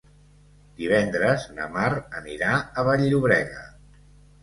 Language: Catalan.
Divendres na Mar anirà a Vall-llobrega.